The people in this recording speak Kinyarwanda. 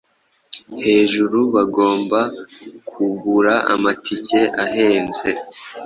hejuru bagomba kugura amatike ahenze